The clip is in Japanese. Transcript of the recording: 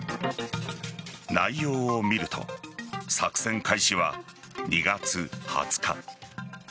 内容を見ると作戦開始は２月２０日。